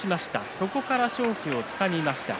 そこから勝機をつかみました。